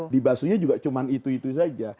dibasuhnya juga cuma itu itu saja